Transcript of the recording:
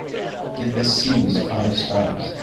Give this series five stars.